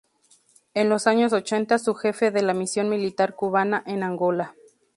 En los años ochenta fue jefe de la Misión Militar Cubana en Angola.